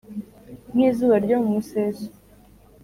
nk’izuba ryo mu museso